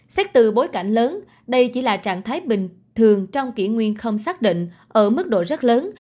xét từ bối cảnh lớn đây chỉ là trạng thái bình thường trong kỷ nguyên không xác định ở mức độ rất lớn